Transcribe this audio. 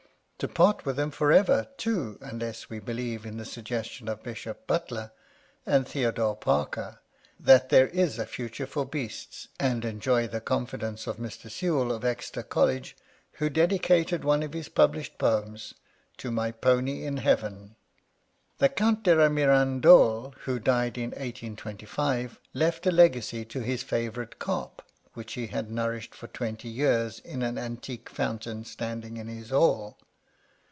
— to part with them for ever, too, unless we believe in the suggestion of Bishop Butler and Theodore Parker, that there is a future for beasts, and enjoy the confid ence of Mr. Sewell of Exeter College, who dedicated one of his published poems " To my Pony in Heaven." 45 Curiosities of Olden Times The Count de la Mirandole, who died in 1825, left a legacy to his favourite carp, which he had nourished for twenty years in an antique fountain standing in his hall.